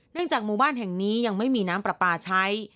จากหมู่บ้านแห่งนี้ยังไม่มีน้ำปลาปลาใช้